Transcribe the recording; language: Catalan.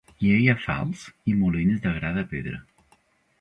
Hi havia falçs i molins de gra de pedra.